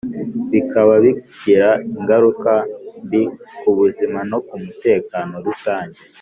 Bikaba bigira ingaruka mbi ku buzima no ku mutekano rusange